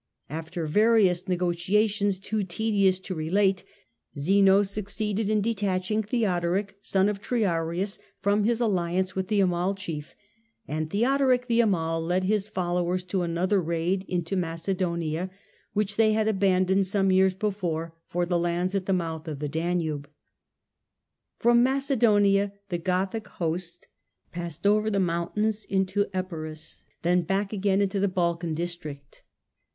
After various negotiations too tedious to relate, Zeno succeeded in detaching Theodoric, son of Triarius, from his alliance with the Amal chief, and Theodoric the Amal led his followers to another raid into Macedonia, which they had abandoned some years before for the lands at the mouth of the Danube. 20 THE DAWN OF MEDIAEVAL EUROPE mountains into Epirus, then back again into the Balkan district.